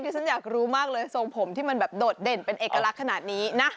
ฉันอยากรู้มากเลยทรงผมที่มันแบบโดดเด่นเป็นเอกลักษณ์ขนาดนี้นะ